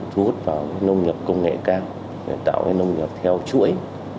thu hút vào nông nghiệp công nghệ cao để tạo nông nghiệp theo chuỗi